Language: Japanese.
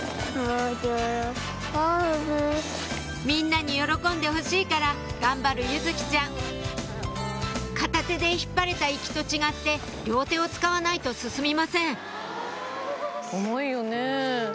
みんなに喜んでほしいから頑張る柚來ちゃん片手で引っ張れた行きと違って両手を使わないと進みません重いよね。